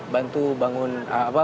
bantu bangun apa